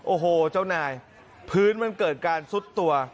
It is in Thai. โอ้โหเจ้านายพื้นมันเกิดการซุดตัว